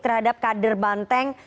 terhadap kader banteng